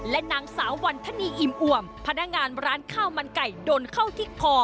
และนางสาววันธนีอิ่มอ่วมพนักงานร้านข้าวมันไก่โดนเข้าที่คอ